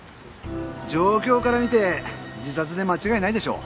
状況から見て自殺で間違いないでしょう。